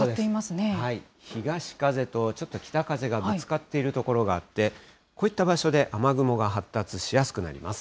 東風と、ちょっと北風がぶつかっている所があって、こういった場所で、雨雲が発達しやすくなります。